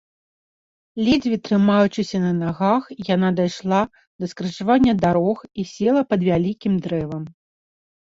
Ледзьве трымаючыся на нагах, яна дайшла да скрыжавання дарог і села пад вялікім дрэвам.